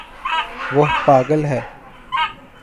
وہ پاگل ہے